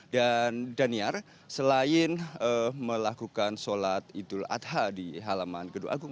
dan daniar selain melakukan sholat idul adha di halaman gedung agung